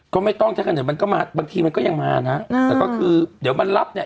ก็ไม่ต้องถ้ากันเดี๋ยวมันก็มาบางทีมันก็ยังมานะแต่ก็คือเดี๋ยวมันรับเนี่ย